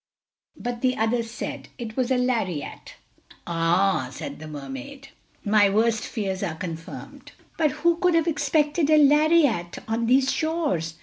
But the others said, "It was a lariat." "Ah," said the Mermaid, "my worst fears are confirmed—But who could have expected a lariat on these shores?